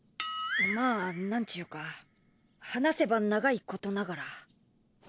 まあなんちゅうか話せば長いことながら。